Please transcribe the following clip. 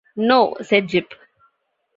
“No,” said Jip.